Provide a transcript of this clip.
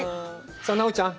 さあ奈緒ちゃん。